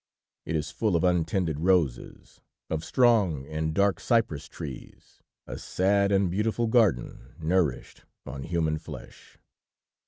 It is full of untended roses, of strong and dark cypress trees, a sad and beautiful garden, nourished on human flesh.